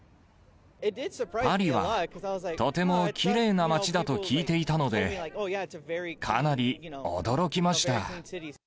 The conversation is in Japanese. パリはとてもきれいな街だと聞いていたので、かなり驚きました。